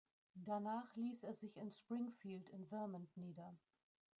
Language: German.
Danach ließ er sich in Springfield in Vermont nieder.